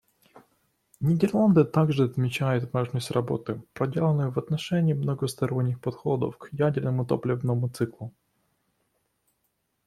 Нидерланды также отмечают важность работы, проделанной в отношении многосторонних подходов к ядерному топливному циклу.